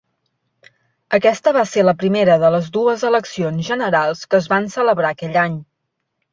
Aquesta va ser la primera de les dues eleccions generals que es van celebrar aquell any.